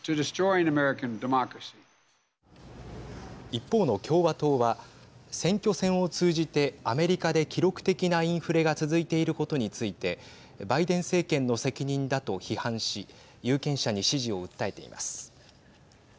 一方の共和党は選挙戦を通じてアメリカで記録的なインフレが続いていることについてバイデン政権の責任だと批判し有権者に支持を訴えています。